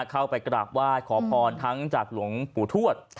เข้าไปกราบไหว้ขอพรทั้งจากหลวงปู่ทวด